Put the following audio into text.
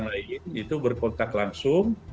lain itu berkontak langsung